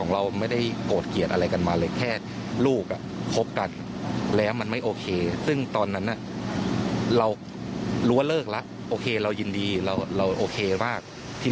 เลยแค่รู้กันแล้วมันไม่โอเคซึ่งตอนนั้นนะเราลื้อเริกละโอเคเรายนดีเราโอเคมากที่